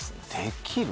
できる？